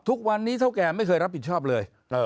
ทุกวันนี้เท่าแก่ไม่เคยรับผิดชอบเลย